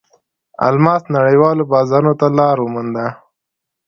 الماس نړیوالو بازارونو ته لار ومونده.